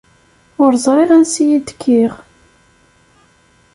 Ur ẓriɣ ansi i d-kkiɣ.